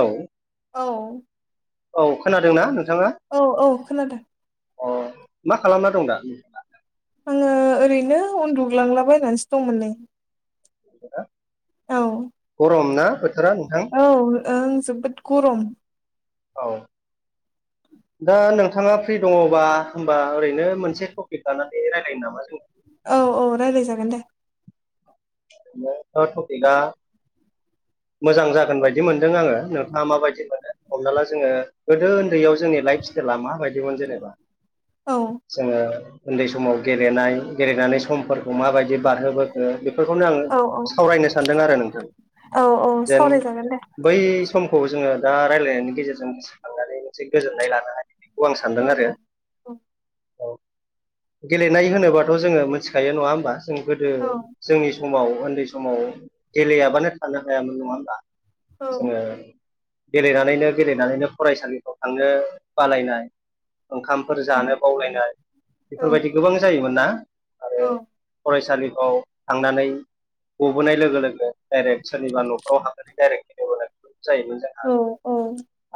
औ औ औ खोनादोंना नों औ औ खोनादों अ मा खालामना दं दा नोंथां आङो ओरैनो उन्दुगलांलाबायनानैसो दंमोन नै औ गरम ना बोथोरा नोंथां औ ओं जोबोद गरम औ [inaudible] दा नोंथाङा फ्रि दङ'बा होमबा ओरैनो मोनसे टपिक लानानै रायलायनो नामा जों औ औ रायलाय जागोन दे ओ टपिगा मोजां जागोन बायदि मोनदों आङो नोंथाङा माबायदि मोनो हमना ला जोङो गोदो ओनदैयाव जोंनि लाइफ स्टाइला माबायदिमोन जेनेबा औ जोङो ओनदै समाव गेलेनाय गेलेनानै समफोरखौ माबायदि बारहोबोखो बेफोरखौनो आं औ औ सावरायनो सानदों आरो नोंथां औ औ जेन सावरायजागोन दे बै समखौ जोङो दा रायलायनायनि गेजेरजों गोसोखांनानै मोनसे गोजोननाय लानो हायो खौ आं सानदों औ आरो औ औ औ गेलेनाय होनोबाथ' जोङो मोनथिखायो नङा होमबा जों गोदो औ जोंनि समाव ओनदै समाव गेलेयाबानो थानो हायामोन नङा होमबा औ जोङो गेलेनानैनो गेलेनानैनो फरायसालिफ्राव थांनो बालायनाय ओंखामफोर जानो बावलायनाय औ बेफोरबायदि गोबां जायोमोन ना? आरो औ फरायसालिखौ थांनानै ग'बोनाय लोगो लोगो डाइरेक्ट सोरनिबा न'खराव हाबनानै डाइरेक्ट गेलेबोनाय जायोमोन जोंहा औ औ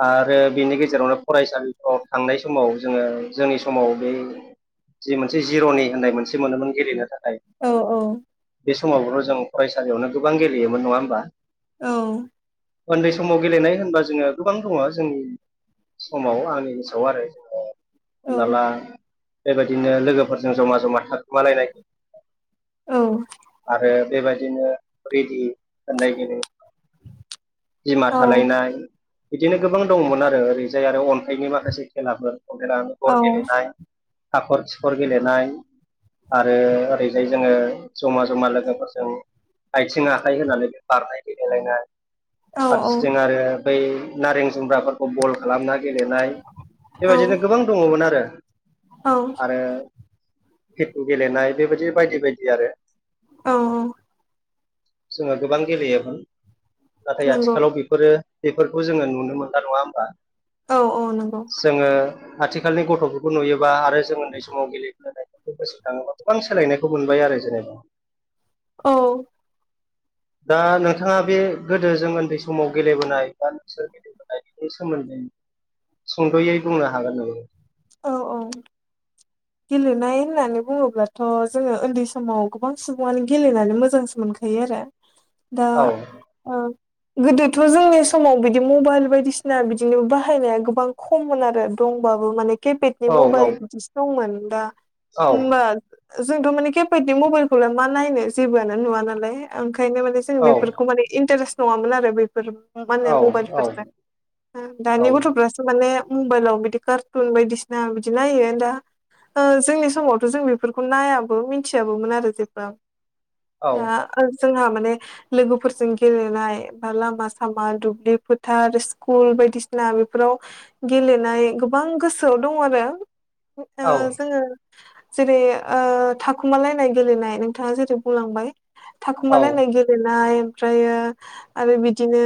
आरो बिनि गेजेरावनो फरायसालिफ्राव थांनाय समाव जोङो जोंनि समाव बै जि मोनसे जिर'नि होननाय मोनसे मोनोमोन गेलेनो थाखा औ औ बे समावबोथ' जों फरायसालियावनो गोबां गेलेयोमोन नङा होमबा? औ ओनदै समाव गेलेनाय होनबा जोङो गोबां दङ'जोंनि समाव आंनि गोसोआव आरो हमना ला बेबायदिनो लोगोफोरजों ज'मा ज'मा थाखोमालायनाय आरो बेबायदिनो रेदि होननायगिरि बिमा थालायनाय बिदिनो गोबां दङ'मोन आरो ओरैजाय आरो अनथाइनि माखासे खेलाफोर [unintelligible] गर गेलेनाय हाख'र खिख'र गेलेनाय आरो ओरैजाय जोङो ज'मा ज'मा लोगोफोरजों आइथिं आखाइ होनानै बारनाय गेलेलायनाय फारसिथिं आरो बै नारें जुमब्रा फोर बल खालामना गेलेनाय बेबायदिनो गोबां दङ'मोन आरो औ खेटु गेलेनाय बेबायदिनो बायदि बायदि आरो औ औ जोङो गोबां गेलेयोमोन नाथाय नंगौ आथिखालाव बेफोरो बेफोरखौ जोङो नुनो मोनला नङा होमबा औ औ नंगौ जोङो आथिखालनि गथ'फोरखौ नुयोबा आरो जों ओनदै समाव गेलेबोनाय [unintelligible] थाङोबा गोबां सोलायनायखौबो नुबाय आरो जोङो औ दा नोंथाङा बे गोदो जों ओनदै समाव गेलेबोनाय बा नोंसोर गेलेबोनाय नि सोमोनदै सुंद'यै बुंनो हागोन नामा? औ औ गेलेनाय होननानै बुङोब्लाथ' जोङो ओनदै समाव गोबां सुबुङानो गेलेनानै मोजांसो मोनखायो आरो [inaudible] दा ओ गोदोथ' जोंनि समाव बिदि मबाइल बायदिसिना बिदिनो बाहायनाया गोबां खममोन आरो दं दंबाबो माने केपेदनि औ मबाइल बिदिसो दंमोन दा औ जोंथ' माने खेफेदनि मबाइलखौलाय मा नायनो जेबोआनो नुवा नालाय ओंखायनो माने जों औ बेफोरखौ माने इन्टारेस्ट नङामोन आरो बेफोर माने औ औ मबाइलफोरजों दानि औ गथ'फोरासो माने मबाइलाव बिदि कारटुन बायदिसिना बिदि नायो दा जोंनि समावथ' जों बेफोरखौ नायाबो मिथियाबोमोन आरो जेब्ला औ दा जोंहा माने लोगोफोरजों गेलेनाय बा लामा सामा दुब्लि फोथार स्कुल बायदिसिना बेफोराव गेलेनाय गोबां गोसोआव दं आरो औ जोङो जेरै ओ थाखुमालायनाय गेलेनाय नोंथाङा जेरै बुंलांबाय औ थाखुमालायनाय गेलेनाय ओमफ्रायो आरो बिदिनो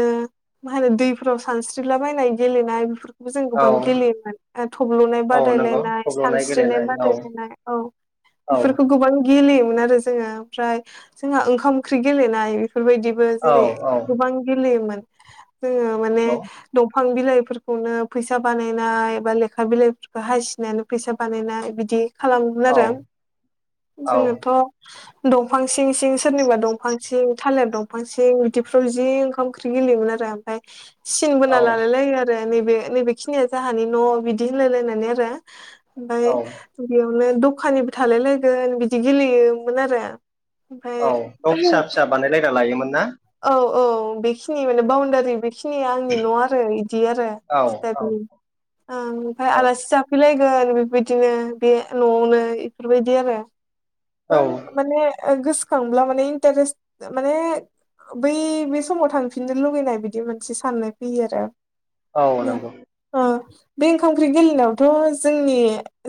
मा होनो दैफोराव सानस्रिलाबायनाय गेलेनाय बेफोरखौ जों औ गोबां गेलेयोमोन थब्ल'नाय औ नंगौ बादायलायनाय थब्ल'नाय सानस्रिनाय गेलेनाय औ बादायलायनाय औ औ बेफोरखौ गोबां गेलेयोमोन आरो जोङो ओमफ्राय जोंहा ओंखाम ओंख्रि गेलेनाय बेफोरबायदिबो औ जेरै औ गोबां गेलेयोमोन जोङो माने नंगौ बिफां बिलाइफोरखौनो फैसा बानायनाय एबा लेखा बिलाइफोरखौ हासिनानै फैसा बानायनाय बिदि खालामगोन औ आरो औ जोङोथ' दंफां सिं सिं सोरनिबा दंफां सिं थालिर दंफां सिं बिदिफ्राव जि ओंखाम ओंख्रि गेलेयोमोन आरो ओमफ्राय सिन औ बोना लालायलायो आरो आरो नैबे नैबे खिनिया जोंहानि न' बिदि होनलायलायनानै आरो ओमफ्राय औ बेयावनो दखानिबो थालाय लायगोन बिदि गेलेयोमोन आरो औ ओमफाय न फिसा फिसा बानायलायना लायोमोन ना औ औ बेखिनि माने बाउनडारि बेखिनि नि आंनि न' आरो बिदि औ औ आरोओमफ्राय औ आलासि जाफैलाय गोन बेबायदिनो बे न'आवनो इफोरबायदि आरो औ माने गोसोखांब्ला माने इन्टारेस्ट माने बै बे समाव थांफिननो लुुबैनाय बिदि मोनसे साननाय फैयो आरो औ नंगौ ओ बे ओंखाम ओंख्रि गेलेनायावथ' जोंनि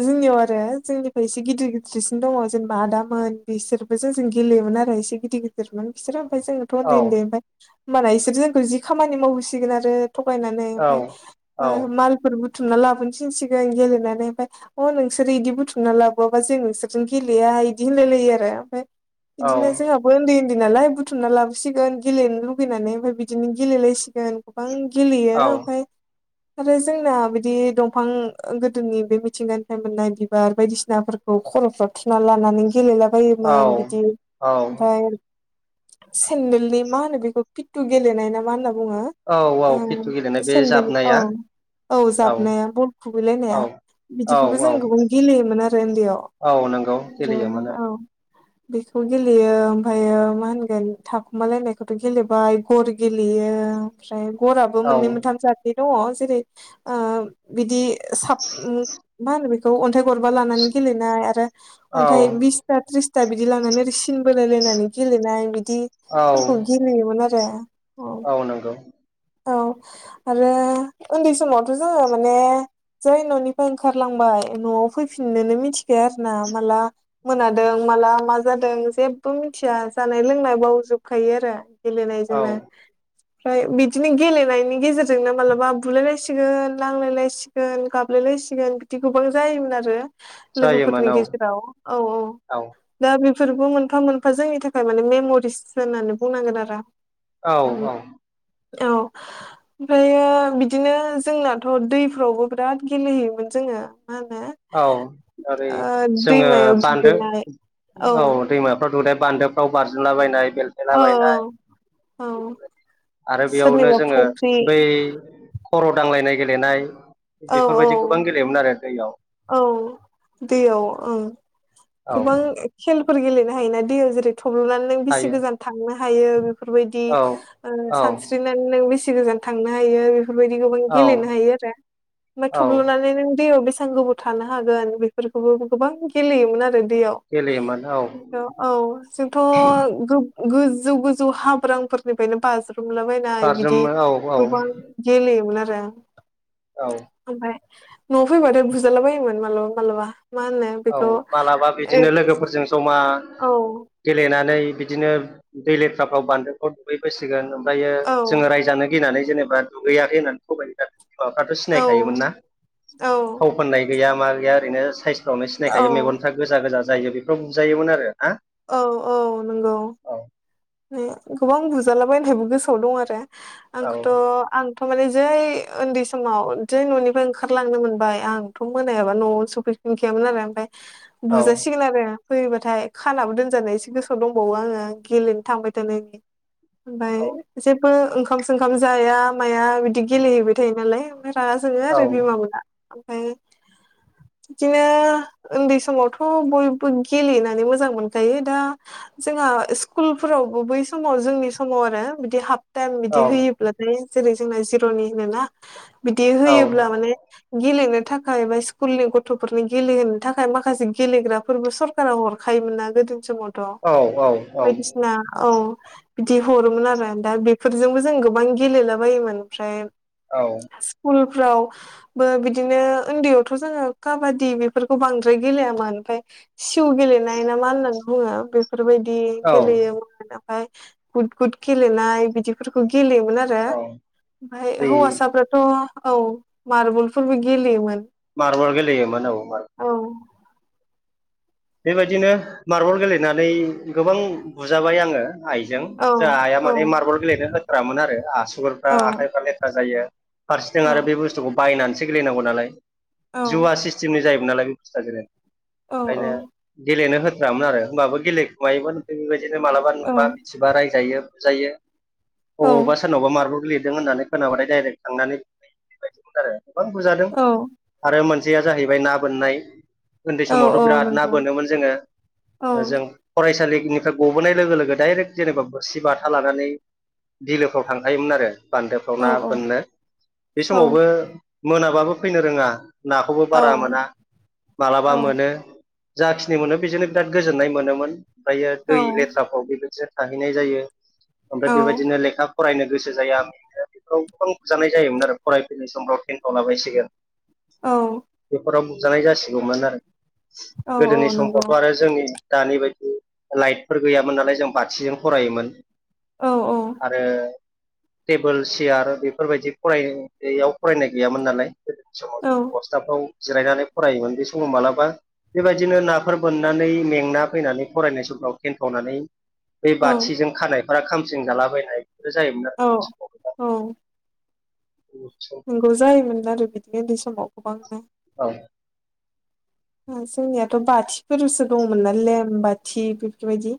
जोंनियाव आरो जोंनिफ्राय एसे गिदिर गिदिरसिन दङ जेनेबा आदामोन बिसोरबो जों जों गेलेयोमोन आरो इसे गिदिर गिदिरमोन बिसोरो ओमफ्राय जोङथ' औ उन्दै उन्दै ओमफ्राय होमबाना बिसोरो जोंखौ जि खामानि मावहैसिगोन आरो थगायनानै औ ओमफ्राय औ मालफोर बुथुमना लाबोनफिनसिगोन गेले नानै ओमफ्राय अ नोंसोरो बिदि बुथुमना लाबोआबा जों नोंसोरजों गेलेया बिदि होनलायलायो आरो ओमफ्राय बिदिनो औ जोंहाबो उन्दै नालाय बुथुमना लाबोसिगोन गेलेनो लुगैनानै ओमफ्राय बिदिनो गेलेलायसिगोन गोबां गेलेयो औ ओमफ्राय आरो जोंना बिदि दंफां दोनि बे मिथिंगानिफ्राय मोननाय बिबार बायदिसिनाफोरखौ खर'फ्राव थुना लानानै गेलेला औ बायोमोन बिदि औ ओमफ्राय सेन्देलनि मा होनो बेखौ पिटु गेलेनाय ना मा होनना बुङो औ औ खिथु गेलेनाय ओ बे सेनदेल औ जाबनाया औ जाबनाया बल खुुबैलायनाया औ औ बिदिखौबो जों औ गोबां गेलेयोमोन आरो उन्दैयाव औ नंगौ गेलेयोमोन ओमफ्राय औ बेखौ गेलेयो ओमफ्रायो मा होनगोन थाखुमालायनायखौथ' गेलेबाय गर गेलेयो यो ओमफ्राय गराबो औ मोननै मोनथाम जादनि दङ जेरै बिदि साब मा होनो बेखौ अन्थाइ गरबा लानानै गेलेनाय आरो औ अन्थाइ बिसथा थ्रिस दा बिदि लानानै ओ सिन बोलायलायनानै गेलेनाय औ बिदिफोरखौ गेलेयोमोन आरो अ औ नंगौ औ आरो उन्दै समावथ' जोङो माने जै न'निफ्राय ओंखारलांबाय न'आव फैफिननोनो मिथिखाया आरो ना माला मोनादों माला मा जादों जेबो मिथिया जानाय लोंनाय बावजोबखायो आरो औ गेलेनायजोंनो ओमफ्राय बिदिनो गेलेनायनि गेजेरजोंनो मालाबा बुलायलायसिगोन लांलायलायसिगोन गाब यलायसिगोन बिदि गोबां जायोमोन आरो जायोमोन लोगोफोरनि औ गेजेराव औ-औ औ दा बे बेफोरबो मोनफा मोनफा जोंनि थाखाय माने मेम'रिस होननानै बुंनांगोन आरो औ औ औ ओमफ्रायो बिदिनो जोंनाथ' दैफ्रावबो बिराद गेलेहैयोमोन जोङो मा होनो औ ओरै ओ जोङो दैमायाव बान्दो दुगैनाय औ दैमाफ्राव दुदाय बान्दोफ्राव बारजोमला बायनाय औ-औ-औ आरो बेयावनो जोङो बै खर' दांलायनाय गेलेनाय औ औ बेफोरबायदि गोबां गेलेयोमोन आरो दैयाव औ दैयाव ओं औ गोबां खेलफोर गेलेनो हायोना दैयाव जेरै थब्ल'नानै नों बेसे हायो गोजान थांनो हायो बेफोरबायदि औ औ सानस्रिनानै नों बेसे गोजान थांनो हायो बेफोरबायदि गोबां औ गेलेनो हायो आरो ओमफ्राय औ थब्ल'नानै नों बेसां गोबाव थानो हागोन बेफोरखौबो गोबां गेलेयोमोन आरो गेलेयोमोन औ आव औ जोंथ' गोब गोजौ गोजौ हाब्रांफोरनिफ्रायनो बाज्रो रुम लाबायनाय बिदि बारजुमो औ औ गोबां गेलेयोमोन आरो औ ओमफ्राय न'आव फैबाथाय बुजाला बायोमोन मालाबा मालाबा मा होनो औ बेखौ मालाबा ए बिदिनो लोगोफोरजों जमा औ गेलेनानै बिदिनो दै लेथ्राफ्राव बान्दोफ्राव दुगैबोसिगोन ओमफ्रायो औ जोङो रायजानो गिनानै जेनेबा दुगैयाखै होननानै [unintelligible] बिमाफ्राथ' औ सिनायखायोमोन ना औ थाव फाननाय गैया मा गैया ओरैनो सायसफ्रावनो औ सिनायखायो मेगनफ्रा गोजा गोजा जायो बेफोराव बुजायोमोन आरो ना औ-औ नंगौ औ गोबां बुजालाबायहाबो गोसोआव दं आरो आंखौथ' आं थमाने जै उन्दै समाव जै न'निफ्राय ओंखारलांनो मोनबाय आंथ' मोनायाबा न'आवनो सफै [unintelligible] आरो ओमफाय औ बुजासिगोन आरो फैयोबाथाय खानाबो दोनजानाय एसे गोसोआव दंबावो आङो गेलेनो थांबाय थानायनि ओमफ्राय जेबो ओंखाम सोंखाम जाया माया बिदि गेलेहैबाय थायो नालाय ओमफाय [unintelligible] जोङो औ आरो बिमा मोना ओमफाय बिदिनो उन्दै समावथ' बयबो गेलेनानै मोजां मोनखायो दा जोंहा स्कुल फोरावबो बै समाव जोंनि समाव आरो बिदि हाफ टाइम औ बिदि होयोब्लाथाय जेरै जोंना जिर'नि होनोना बिदि औ होयोब्ला माने गेलेनो थाखाय बा स्कुलनि गथ'फोरनि गेलेहोनो थाखाय माखासे गेलेग्राफोरबो सरकारा हरखायोमोन ना [unintelligible] औ-औ-औ बायदिसिना औ बिदि हरोमोन आरो दा बेफोरजोंबो जों गोबां गेलेला बायोमोन ओमफ्राय स्कुल फ्रावबो बिदिनो उन्दैयावथ' जोङो काबादि बेफोरखौ बांद्राय गेलेयामोन ओमफफ्राय सिउ गेलेनाय ना मा होननानै बुङो बेफोरबायदि औ गेलेयोमोन ओमफ्राय गुद गुद गेलेनाय बिदिफोरखौ गेलेयोमोन आरो औ ओमफ्राय दै हौवासाफ्राथ' औ मारबलफोरबो गेलेयोमोन मारबल गेलेयोमोन औ मार औ बेबायदिनो मार्बल गेलेनानै गोबां बुजाबाय आङो आइजों औ जोंहा आइआ औ माने मार्बल गेलेनो होथ्रामोन आरो आसुगुरफ्रा औ आखाइफ्रा लेथ्रा जायो फारसेथिं औ आरो बे बुस्थुखौ बायनानैसो गेलैनांगौ नालाय औ जुवा सिस्टेमनि जायोमोन नालाय बे बुस्थुआ गेले- औ औ गेलेनो होथ्रामोन आरो होमबाबो गेलेखुमायोमोन बेबायदिनो मालाबा नुबा मिथिबा रायजायो बुजायो अबावबा सोरनावबा मारबल गेलेदों होननानै‌ खोनाबाथाय दायरेक थांनानै‌ बे बायदिमोन आरो गोबां बुजादों औ आरो मोन- सेया जाहैबाय ना बोननाय उन्दै औ समावथ' औ बिराद ना बो- नंगौ नोमोन जोङो औ ओजों फरायसालि बिनिफ्राय गबोनाय लोगो लोगो डाइरेक्ट जेनेबा बोरसि बाथा लानानै बिलोफ्राव थांखायोमोन आरो बान्दोफ्राव ना औ औ बोननो बे औ समावबो मोनाबाबो फैनो रोङा नाखौबो औ बारा मोना मालाबा औ मोनो जाखिनि मोनो बेजोंनो बिराद गोजोननाय मोनोमोन ओमफ्रायो दै औ लेथ्राफ्राव बेबायदिनो थाहैनाय जायो ओमफ्राय औ बेबायदिनो लेखा फरायनो गोसो जाया बेफोराव गोबां बुजानाय जायोमोन आरो फरायफैनाय समफ्राव टेनथाव लाबायसिगोन बेफोराव बुजानाय जासिगौमोन आरो औ गोदोनि औ नंगौ समफ्रावथ' आरो जोंनि दानि बायदि लाइटफोर गैयामोन नालाय जों बाथिजों फरायोमोन औ आरो टेबोल सियार बेफोरबायदि फरायनायाव फरायनाय गैयामोन नालाय गोदोनि समाव औ बस्थाफ्राव जिरायनानै फरायोमोन बे समाव मालाबा बेबायदिनो नाफोर बोननानै मेंना फैनानै फरायनाय समफ्राव थेनथावनानै बे बाथिजों खानायफोरा खामस्रिं जालाबायनाय बेफोर जायोमोन आरो औ जों सिगां औ नंगौ जायोमोन आरो बिदिनो उन्दै समाव गोबांनो [inaudible] जोंनियाथ' बाथिफोरसो दंमोनना लेम बाथि बेफोरबायदि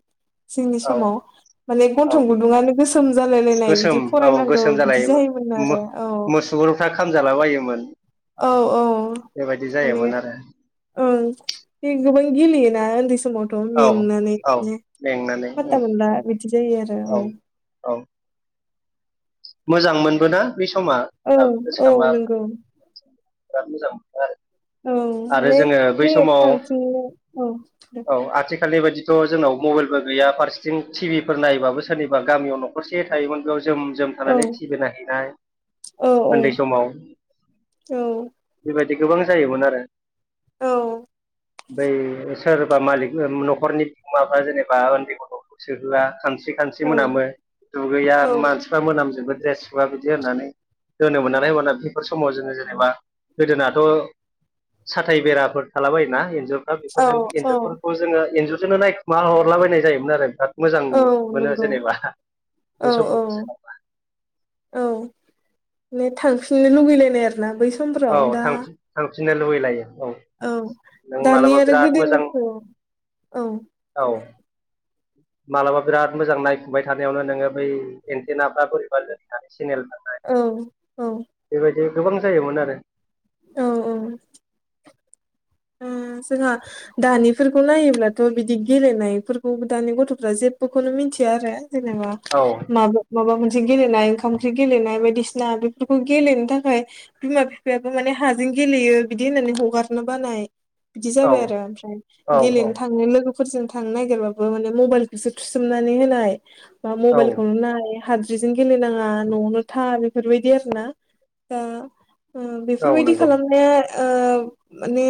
जोंनि औ समाव माने औ गन्थं गुदुङानो गोसोम जालाय लायनाय बिदि फरायनांगौ बिदि जायोमोन आरो औ मोसुगुरफ्रा खामजाला बायोमोन औ औ माने आरो औओं गोबां गेलेयोना उन्दै समावथ' औ औ मेंनानैनो मेंनानै औ फातताखौनो मोनला बिदि बिदि जायो आरो औ औ मोजां मोनबोना बे समा औ दाबो गोसो औ खांबा नंगौ बिराद मोजां मोन आरो औ आरो माने बै जोङो समाव थानफिननो औ औ आथिखालनि बायदिथ' जोंनाव मबाइलबो गैया फारसेथिं टि भिफोर नायबाबो सोरनिबा गामियाव न'खरसे थायोमोन बेयाव जोम जोम औ थानानै थि बि नायहैनाय औ औ उन्दै समाव औ बेबायदि गोबां जायोमोन आरो औ बै सोरबा मालिक न'खरनि बिगोमाफ्रा जेनेबा उन्दै गथ'खौ सोहोआ खानस्रि खानस्रि मोनामो दुगैया औ मानसिफ्रा मोनामजोबो ड्रेस खुगा बिदि होननानै दोनोमोन नालाय होमबाना बेफोर समाव जोङो जेनेबा गोदोनाथ' साथाय बेराफोर थालाबायोना एन्जुरफ्रा औ बेफोरजों औ एन्जुरफोरखौ जोङो एन्जुर जोंनो नायखुमा हरलाबायनाय जायोमोन आरो मोजां औ मोनो नंगौ जेनेबा औ बे समखौ गोसोखांबा औ मे थांफिननो लुगैलायनाय आरोना बै समफोराव औ दा थांफिन थांफिननो लुबैलायो औ नों दानि मालाबा आरो बिराद मोजां गोदोनिखौ औ मालाबा बिराद मोजां नायफुबाय थानायावनो नोङो बै एन्थेनारफ्रा बोरैबा लोरिनानै सेनेल औ औ बे गोबां जायोमोन आरो औ औ ओ [inaudible] जोंहा दानिफोरखौ नायोब्लाथ' बिदि गेलेनायफोरखौ दानि गथ'फ्रा जेबबोखौनो मिन थिया आरो जेनेबा औ माबो माबा मोन दि गेलेनाय ओंखाम ओंख्रि गेलेनाय बायदिसिना बेफोरखौ गेलनो थाखाय बिमा बिफायाबो माने हाजों गेलेयो बिदि होननानै हगारनो बानाय बिदि औ जाबाय आरो ओमफ्राय औ गेलेनो थांनो लोगोफ फोरजों थांनो नागिरबाबो माने मबाइलखौसो थुसोमनानै होनाय बा औ मबाइलखौनो नाय हाद्रिजों गेलेनाङा न'आवनो था बेफोरबायदि आरोना दा ओ औ बेफोरबायदि नंगौ खालामनाया ओ माने